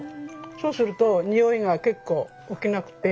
そうするとにおいが結構起きなくて。